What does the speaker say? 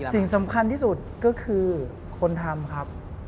สิ่งสำคัญที่สุดก็คือคนทำครับ